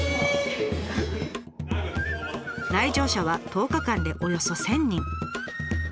来場者は１０日間でおよそ１，０００人！